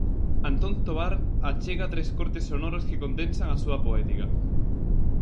Antón Tovar achega tres cortes sonoros que condensan a súa poética.